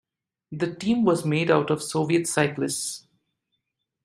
The team was made out of Soviet cyclists.